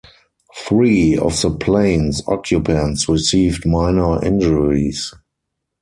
Three of the plane's occupants received minor injuries.